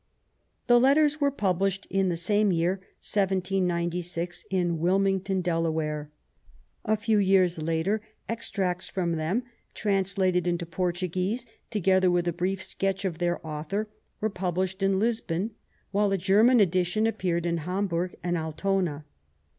The Letters were published in the same year, 1796, in Wilmington, Delaware. A few years later, extracts from them, translated into Portuguese, together with a brief sketch of their author, were published in Lisbon, while a German edition appeared in Hamburg and Altona.